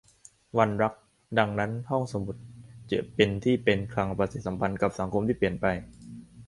วันรัก : ดังนั้น ห้องสมุดจะเป็นที่เป็นคลังปฏิสัมพันธ์กับสังคมที่เปลี่ยนไป